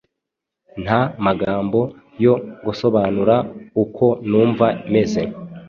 Nta magambo yo gusobanura uko numva meze,